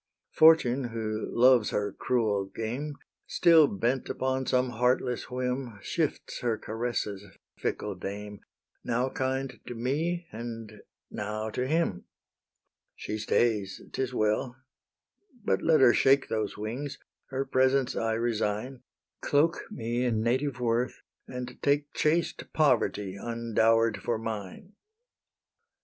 Fortune, who loves her cruel game, Still bent upon some heartless whim, Shifts her caresses, fickle dame, Now kind to me, and now to him: She stays; 'tis well: but let her shake Those wings, her presents I resign, Cloak me in native worth, and take Chaste Poverty undower'd for mine.